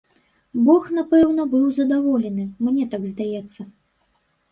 Бог напэўна быў задаволены, мне так здаецца.